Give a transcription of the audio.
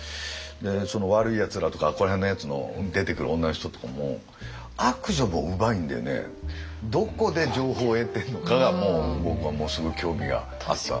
「わるいやつら」とかここら辺のやつの出てくる女の人とかも悪女もうまいんでねどこで情報を得てるのかが僕はものすごい興味があった。